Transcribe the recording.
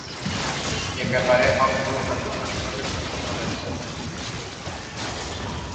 এ ব্যাপারে হক গ্রুপ আনুষ্ঠানিকভাবে দুঃখ প্রকাশ করে।